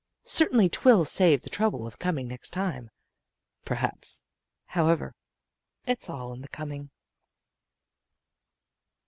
Certainly 'twill save the trouble of coming next time. Perhaps, however, it's all in the coming."